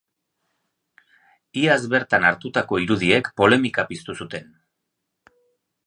Iaz bertan hartutako irudiek polemika piztu zuten.